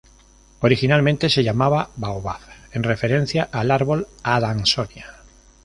Originalmente se llamaba Baobab, en referencia al árbol "Adansonia".